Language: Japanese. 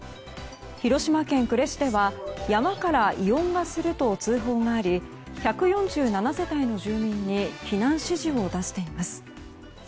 広島県呉市では山から異音がすると通報があり１４７世帯の住民に避難指示を出しています。